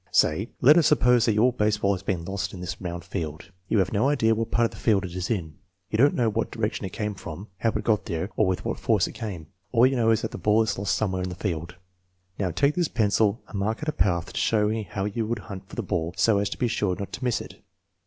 Say $' Let us suppose that your baseball has been lost in this round field. You have no idea what part of the field it is in. You don't know what direction it came from, how it got there, or with what force it came. All you Jmow is that the ball is lost somewhere in the field. Now, take this pencil and mark out a path to show me how you would hunt for the ball so as to be sure not to miss it.